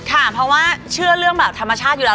ค่ะเพราะว่าเชื่อเรื่องแบบธรรมชาติอยู่แล้ว